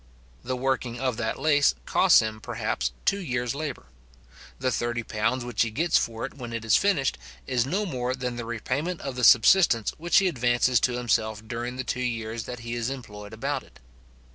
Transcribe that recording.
The working of that lace costs him, perhaps, two years labour. The £30 which he gets for it when it is finished, is no more than the repayment of the subsistence which he advances to himself during the two years that he is employed about it.